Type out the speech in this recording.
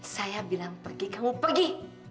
saya bilang pergi kamu pergi